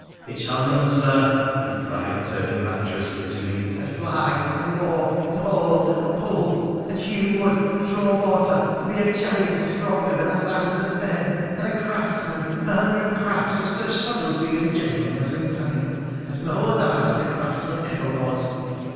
It shall run, Sir,' he cried, turning rapturously to me —' and fly, and walk, and haul, and pull, and hew wood and draw water, and be a giant stronger than a thousand men, and a craftsman in a hundred crafts of such subtilty and gentleness and cunning as no other master craftsman ever was.